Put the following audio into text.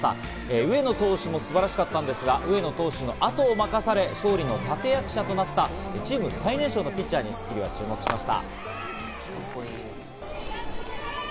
上野投手も素晴らしかったんですが、上野投手の後を任され、勝利の立て役者となった、チーム最年少のピッチャーに『スッキリ』は注目しました。